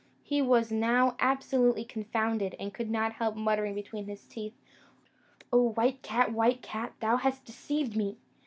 He was now absolutely confounded, and could not help muttering between his teeth, "O white cat, white cat, thou hast deceived me!"